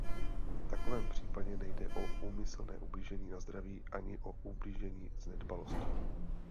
V takovém případě nejde o úmyslné ublížení na zdraví ani o ublížení z nedbalosti.